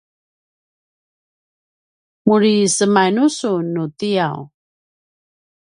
muri semainu sun nu tiyaw?